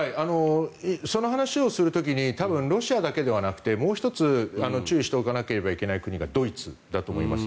その話をする時に多分、ロシアだけではなくてもう１つ注意しておかなければいけない国がドイツだと思います。